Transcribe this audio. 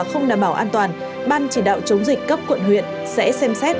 không đảm bảo an toàn ban chỉ đạo chống dịch cấp quận huyện sẽ xem xét